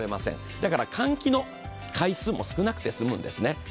だから換気の回数も少なくて済むんですね。